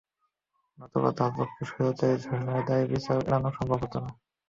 নতুবা তাঁর পক্ষেও স্বৈরাচারী শাসনের দায়ে বিচার এড়ানো সম্ভব হতো না।